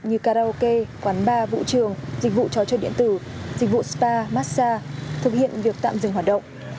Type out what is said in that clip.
như karaoke quán bar vũ trường dịch vụ trò chơi điện tử dịch vụ spa massage thực hiện việc tạm dừng hoạt động